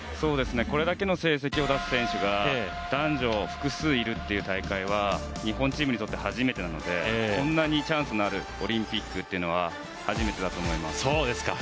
これだけの成績を出す選手が男女複数いるという大会は日本チームにとって初めてなのでこんなにチャンスがあるオリンピックというのは初めてだと思います。